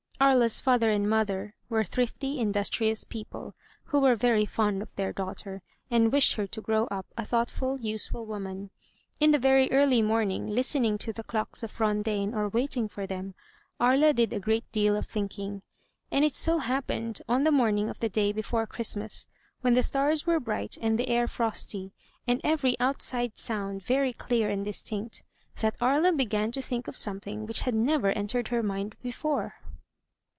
Aria's father and mother were thrifty, industrious people, who were very fond of their daughter, and wished her to grow up a thoughtful, useful woman. In the very early morning, hstening to the clocks of Rondaine or waiting for them. Aria did a great deal of thinking; and it so happened, on the morning of the day before Christmas, when the stars were bright and the air frosty, and every outside sound very clear and distinct, that Aria began to think of something which had never entered her mind before.